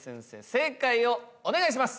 正解をお願いします。